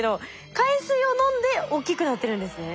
海水を飲んで大きくなってるんですね。